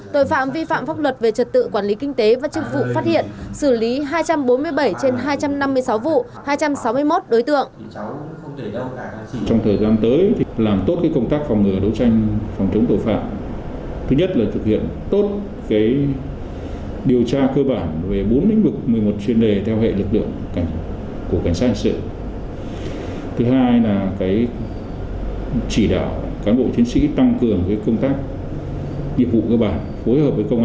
tội phạm vi phạm giao thông kéo dài tội phạm giao thông kéo dài